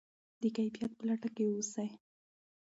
د کیفیت په لټه کې اوسئ.